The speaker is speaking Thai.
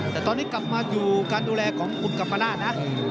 แต่ตอนนี้กลับมาอยู่การดูแลของคุณกัมปนาศนะ